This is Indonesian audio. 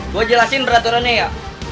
gue jelasin peraturannya ya